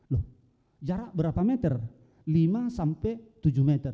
loh jarak berapa meter lima sampai tujuh meter